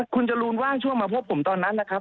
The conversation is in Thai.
คุณจรูนว่างช่วงมาพบผมตอนนั้นนะครับ